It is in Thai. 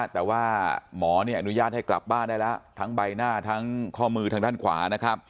แต่ว่าหมอนุ่ญาตให้กลับบ้านได้ทั้งใบหน้าทั้งข้อมือทั้งด้านขวา